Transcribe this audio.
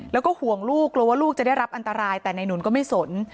แล้วก็ห่วงลูกกลัวว่าลูกจะได้รับอันตรายแต่นายหนุนก็ไม่สน